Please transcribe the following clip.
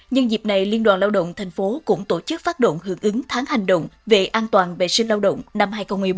nhân dịp này liên đoàn lao động tp cũng tổ chức phát động hưởng ứng tháng hành động về an toàn vệ sinh lao động năm hai nghìn một mươi bốn